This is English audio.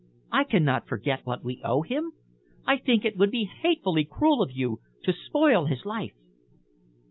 I cannot forget what we owe him. I think it would be hatefully cruel of you to spoil his life."